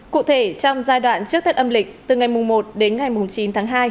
cụ thể trong giai đoạn trước thất âm lịch từ ngày một đến ngày chín tháng hai